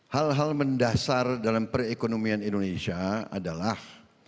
hal hal mendasar dalam perekonomian indonesia adalah